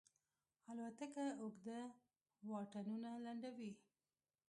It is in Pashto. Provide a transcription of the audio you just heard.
الوتکه اوږده واټنونه لنډوي.